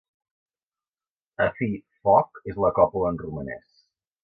"A fi, foc" és la còpula en romanès.